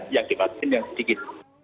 yang divaksin yang sedikit